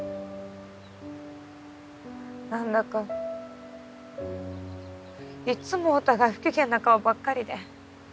なんだかいっつもお互い不機嫌な顔ばっかりで。